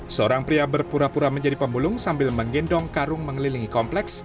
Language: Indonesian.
seorang pria berpura pura menjadi pemulung sambil menggendong karung mengelilingi kompleks